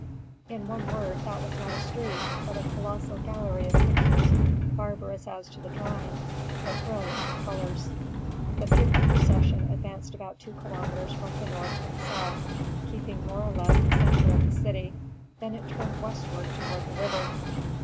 In one word that was not a street, but a colossal gallery of pictures, barbarous as to the drawing, but brilliant in colors. The funeral procession advanced about two kilometres from the north to the south, keeping more or less the centre of the city, then it turned westward toward the river.